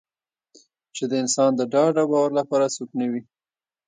چې د انسان د ډاډ او باور لپاره څوک نه وي.